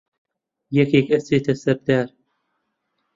یەکێ ئەچێتە سەر دار